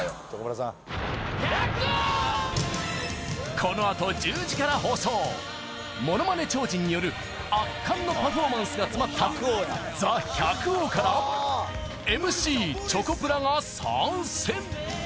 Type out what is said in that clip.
このあと１０時から放送ものまね超人による圧巻のパフォーマンスが詰まった「ＴＨＥ百王」からＭＣチョコプラが参戦